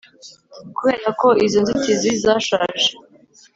Kubera ko izo nzitizi zashaje